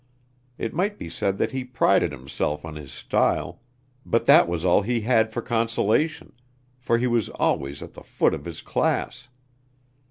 It might be said that he prided himself on his style, but that was all he had for consolation, for he was always at the foot of his class.